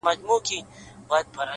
o په زر چنده مرگ بهتره دی؛